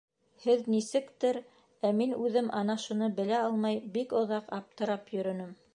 Һеҙ нисектер, ә мин үҙем ана шуны белә алмай бик оҙаҡ аптырап йөрөнөм.